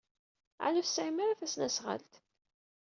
Ɛni ur tesɛimt ara tasnasɣalt?